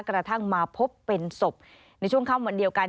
กระทั่งมาพบเป็นศพในช่วงค่ำวันเดียวกัน